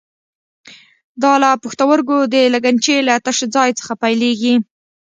دا له پښتورګو د لګنچې له تش ځای څخه پیلېږي.